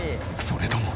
それとも。